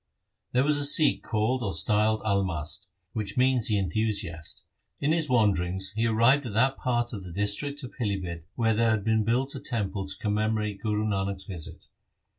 There was a Sikh called or styled Almast, which means the enthusiast. In his wanderings he arrived at that part of the district of Pilibhit where there had been built a temple to commemorate Guru Nanak's visit.